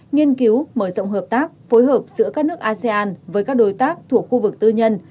nghiên cứu mở rộng hợp tác phối hợp giữa các nước asean với các đối tác thuộc khu vực tư nhân